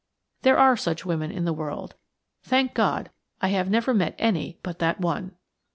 There are such women in the world; thank God I have never met any but that one!